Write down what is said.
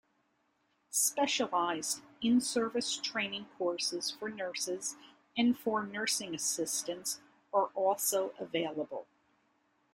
Specialized, in-service training courses for nurses and for nursing assistants are also available.